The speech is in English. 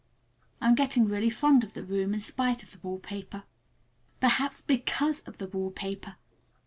I'm getting really fond of the room in spite of the wallpaper. Perhaps because of the wallpaper.